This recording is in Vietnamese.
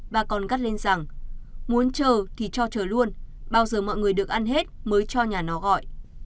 bà còn gắt lên rằng muốn chờ thì cho chờ luôn bao giờ mọi người được ăn hết mới cho nhà nó gọi